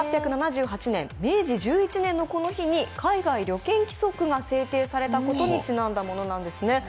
１８７８年、明治１１年のこの日に海外旅券規則が制定されたことで設定されたそうです。